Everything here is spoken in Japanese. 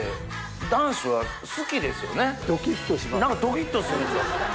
何かドキっとするんですよ。